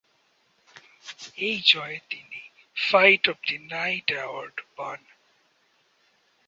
এই জয়ে তিনি fight of the night award পান।